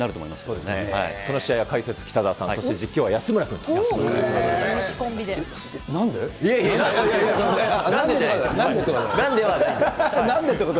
その試合は解説、北澤さん、そして実況は安村君ということでございます。